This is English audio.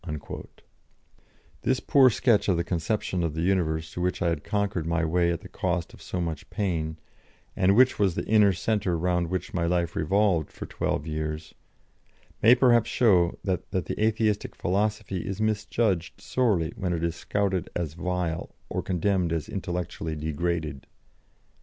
" This poor sketch of the conception of the universe, to which I had conquered my way at the cost of so much pain, and which was the inner centre round which my life revolved for twelve years, may perhaps show that the Atheistic Philosophy is misjudged sorely when it is scouted as vile or condemned as intellectually degraded.